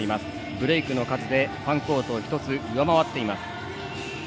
ブレークの数でファンコートを１つ上回っています。